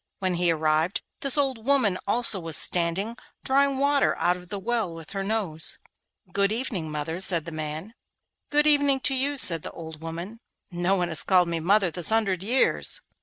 When he arrived, this old woman also was standing drawing water out of the well with her nose. 'Good evening, mother,' said the man. 'Good evening to you,' said the old woman. 'No one has ever called me mother this hundred years.